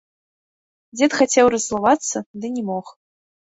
Дзед хацеў раззлавацца, ды не мог.